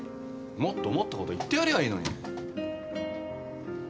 もっと思ったこと言ってやりゃいいのに。